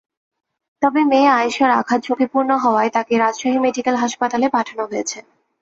তবে মেয়ে আয়েশার আঘাত ঝুঁকিপূর্ণ হওয়ায় তাকে রাজশাহী হাসপাতালে পাঠানো হয়েছে।